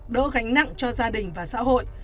đỡ gánh nặng cho gia đình và xã hội